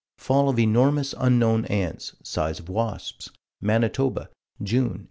Fall of enormous, unknown ants size of wasps Manitoba, June, 1895.